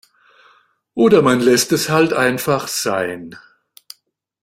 Oder man lässt es halt einfach sein.